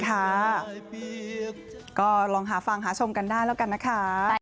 ก็ลองหาฟังหาชมกันได้แล้วกันนะคะ